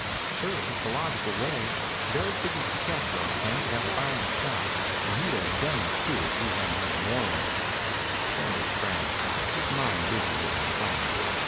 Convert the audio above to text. "Sure. It's the logical way. Dug figures to capture our camp without firin' a shot. And he'd 'a' done it, too, if we hadn't had warnin'." Sanders frowned, his mind busy over the plan.